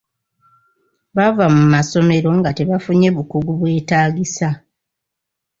Bava mu masomero nga tebafunye bukugu bwetaagisa.